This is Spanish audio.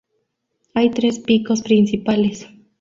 Hay tres picos principales.